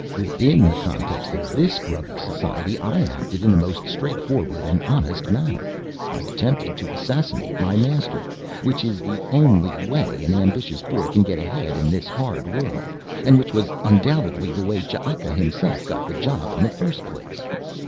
Within the context of this grubby society I acted in a most straightforward and honest manner. I attempted to assassinate my master which is the only way an ambitious boy can get ahead in this hard world, and which was undoubtedly the way Ch'aka himself got the job in the first place.